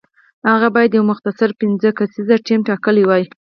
هغه باید یو مختصر پنځه کسیز ټیم ټاکلی وای.